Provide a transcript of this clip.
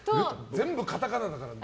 全部カタカナだからね。